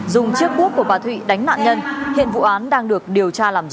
dùng chiếc búa của bà thụy đánh nạn nhân hiện vụ án đang được điều tra làm rõ